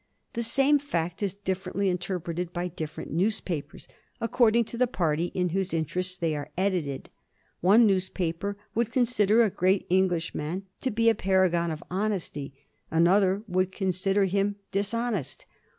The same fact is differently interpreted by different newspapers, according to the party in whose interests they are edited. One newspaper would consider a great Englishman to be a paragon of honesty, another would consider him dishonest.